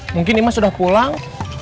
mungkin imas udah pulang